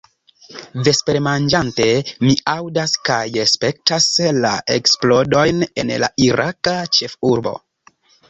Vespermanĝante, mi aŭdas kaj spektas la eksplodojn en la iraka ĉefurbo.